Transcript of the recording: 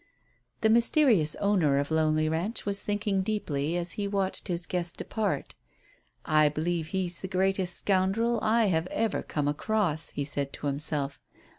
The mysterious owner of Lonely Ranch was thinking deeply as he watched his guest depart. "I believe he's the greatest scoundrel I have ever come across," he said to himself.